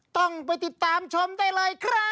ต้องไปติดตามชมได้เลยครับ